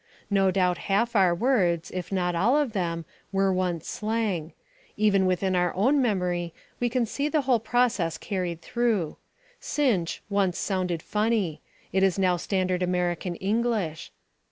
No doubt half our words, if not all of them, were once slang. Even within our own memory we can see the whole process carried through; "cinch" once sounded funny; it is now standard American English.